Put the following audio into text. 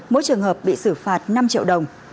mỗi trường hợp bị xử phạt năm triệu đồng